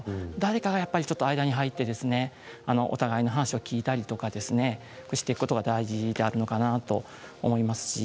誰かが間に入ってお互いに話を聞いたりしていくことが大事であるのかなと思います。